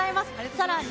さらに。